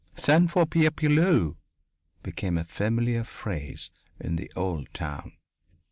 "Send for Pierre Pilleux" became a familiar phrase in the Old Town.